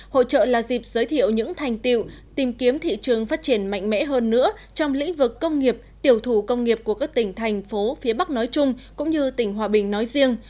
hội trợ là dịp giới thiệu những thành tiệu tìm kiếm thị trường phát triển mạnh mẽ hơn nữa trong lĩnh vực công nghiệp tiểu thủ công nghiệp của các tỉnh thành phố phía bắc nói chung cũng như tỉnh hòa bình nói riêng